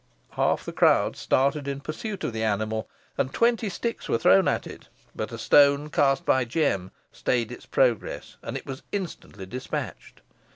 Half the crowd started in pursuit of the animal, and twenty sticks were thrown at it, but a stone cast by Jem stayed its progress, and it was instantly despatched.